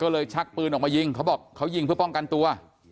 ก็เลยชักปืนออกมายิงเขาบอกเขายิงเพื่อป้องกันตัว